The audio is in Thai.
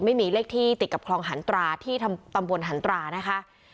ไม่มีเลขที่ติดกับคลองหันตราที่ตำบลหันตรานะคะ